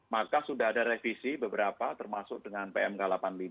maka sudah ada revisi beberapa termasuk dengan pmk delapan puluh lima